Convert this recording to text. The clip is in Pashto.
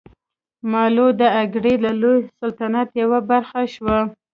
مالوه د اګرې د لوی سلطنت یوه برخه شوه.